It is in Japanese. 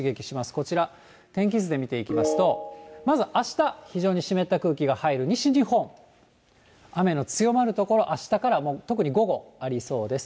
こちら、天気図で見ていきますと、まずあした、非常に湿った空気が入る西日本、雨の強まる所、あしたからもう特に午後、ありそうです。